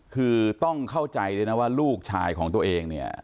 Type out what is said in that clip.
คือต้องเข้าใจเลยนะว่าลูกชายของตัวเอง